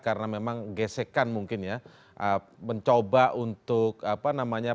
karena memang gesekan mungkin ya mencoba untuk apa namanya